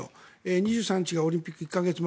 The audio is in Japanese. ２３日がオリンピック１か月前。